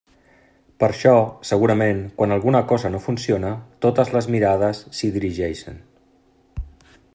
Per això, segurament, quan alguna cosa no funciona, totes les mirades s'hi dirigeixen.